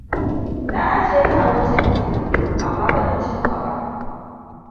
Na ajiyeta a wancan filin, amma ba ta cim ma ba.